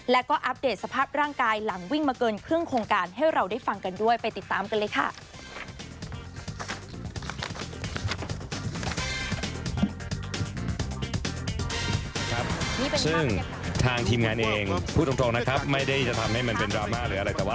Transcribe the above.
แล้วก็อัปเดตสภาพร่างกายหลังวิ่งมาเกินครึ่งโครงการให้เราได้ฟังกันด้วยไปติดตามกันเลยค่ะ